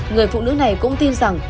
người phụ nữ này cũng tin rằng